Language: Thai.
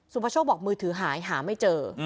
ประโชคบอกมือถือหายหาไม่เจอ